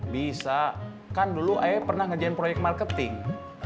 bisa kan dulu ayah pernah ngerjain proyek marketing